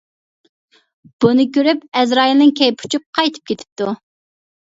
بۇنى كۆرۈپ ئەزرائىلنىڭ كەيپى ئۇچۇپ قايتىپ كېتىپتۇ.